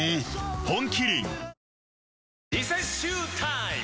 本麒麟リセッシュータイム！